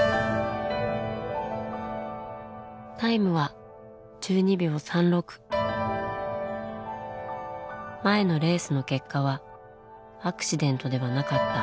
タイムは前のレースの結果はアクシデントではなかった。